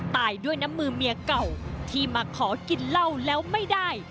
ตายด้วยน้ำมือเมียเก่าที่มาขอกินเหล้าแล้วไม่ได้